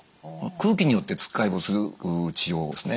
空気によってつっかえ棒する治療ですね。